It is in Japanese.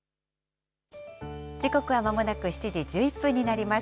時刻はまもなく７時１１分になります。